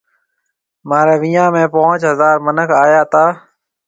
مهاريَ ويهان ۾ پونچ هزار مِنک آيا تا۔